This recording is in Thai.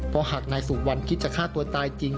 เพราะหากนายสุวรรณคิดจะฆ่าตัวตายจริง